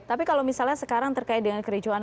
tapi kalau misalnya sekarang terkait dengan kericuan